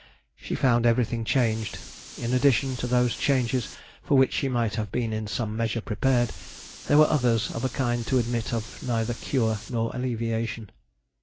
She found everything changed. In addition to those changes, for which she might have been in some measure prepared, there were others of a kind to admit of neither cure nor alleviation.